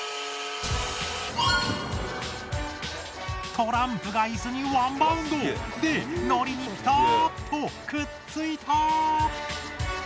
トランプがイスにワンバウンド！でのりにピタッとくっついた！